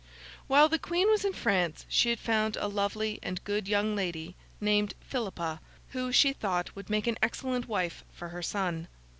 While the Queen was in France, she had found a lovely and good young lady, named Philippa, who she thought would make an excellent wife for her son.